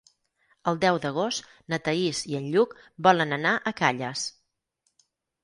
El deu d'agost na Thaís i en Lluc volen anar a Calles.